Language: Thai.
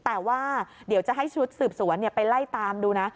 แต่ว่าเดี๋ยวจะให้ชุดสืบสวนไปไล่ตามดูนะ